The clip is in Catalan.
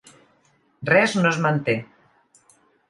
Res no es manté.